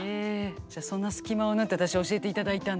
じゃあそんな隙間を縫って私教えていただいたんだ？